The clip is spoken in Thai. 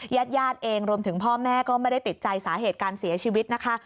ญาติญาติเองรวมถึงพ่อแม่ก็ไม่ได้ติดใจสาเหตุการเสียชีวิตนะคะ